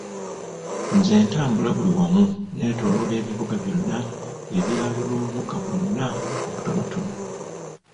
Nze ntambula buli wamu; neetooloola ebibuga byonna, ebyalo n'obubuga bwonna obutonotono.